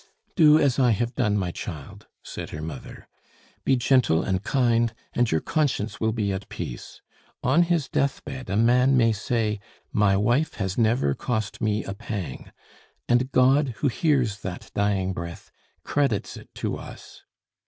"Do as I have done, my child," said her mother. "Be gentle and kind, and your conscience will be at peace. On his death bed a man may say, 'My wife has never cost me a pang!' And God, who hears that dying breath, credits it to us.